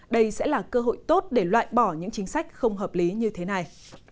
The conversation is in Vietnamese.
đây sẽ là cơ hội tốt để loại bỏ những chính sách không hợp lý như thế này